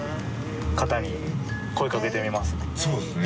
そうですね。